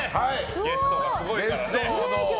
ゲストがすごいからね。